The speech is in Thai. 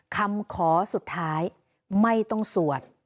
คำขอสุดท้ายไม่ต้องสวด